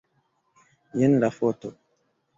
Jen la foto.